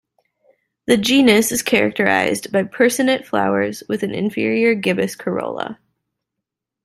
The genus is characterized by personate flowers with an inferior gibbous corolla.